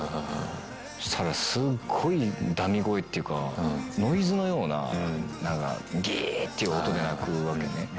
そうしたら、すごいだみ声っていうか、ノイズのような、なんかぎーっていう音で鳴くわけね。